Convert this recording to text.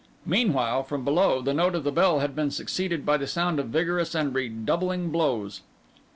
Meanwhile, from below, the note of the bell had been succeeded by the sound of vigorous and redoubling blows.